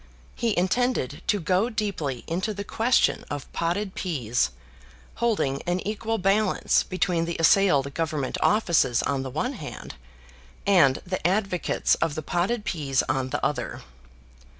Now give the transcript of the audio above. He intended to go deeply into the question of potted peas, holding an equal balance between the assailed Government offices on the one hand, and the advocates of the potted peas on the other.